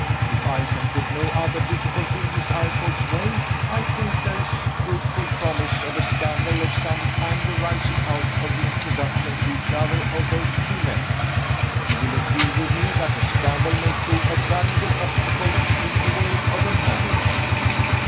If I can put no other difficulty in Miss Eyrecourt's way, I think there is fruitful promise of a scandal of some kind arising out of the introduction to each other of those two men. You will agree with me that a scandal may prove a valuable obstacle in the way of a marriage.